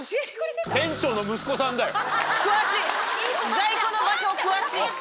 詳しい在庫の場所詳しい。